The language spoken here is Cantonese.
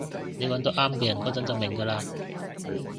你搵到啱嘅人嗰陣就明㗎喇